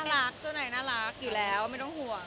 รักเจ้านายน่ารักอยู่แล้วไม่ต้องห่วง